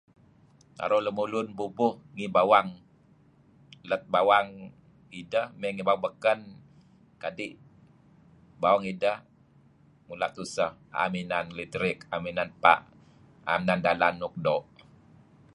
Naru' lemulun bubuh ngi bawang lat bawang ideh may bawang baken kadi' bawang ideh mula' tuseh am inan leterik am inan ebpa' am inan dalan nuk doo'.